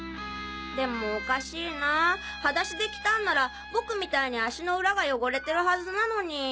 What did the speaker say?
でもおかしいな裸足で来たんなら僕みたいに足の裏が汚れてるはずなのに。